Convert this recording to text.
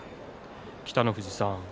北の富士さん